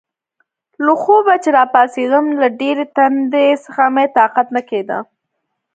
له خوبه چې راپاڅېدم، له ډېرې تندې څخه مې طاقت نه کېده.